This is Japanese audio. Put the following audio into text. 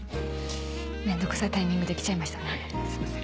面倒くさいタイミングで来ちゃいましたねすいません。